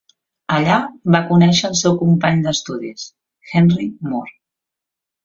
Allà va conèixer el seu company d'estudis Henry Moore.